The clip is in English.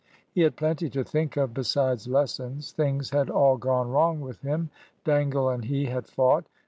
He had plenty to think of besides lessons. Things had all gone wrong with him. Dangle and he had fought.